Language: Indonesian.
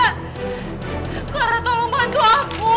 clara tolong bantu aku